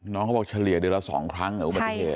น้องเขาบอกเฉลี่ยเดือนละ๒ครั้งกับอุบัติเหตุ